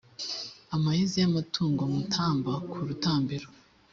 amayezi y’amatungo mutamba ku rutambiro